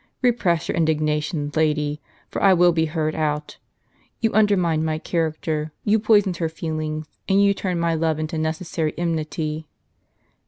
Repress your indignation, lady, for I will be heard out, — you undermined my character, you poisoned her feel ings, and you turned my love into necessary enmity."